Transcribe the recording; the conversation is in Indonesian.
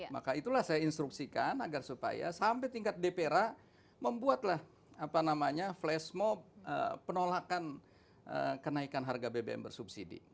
maka itulah saya instruksikan agar supaya sampai tingkat dpra membuatlah flash mob penolakan kenaikan harga bbm bersubsidi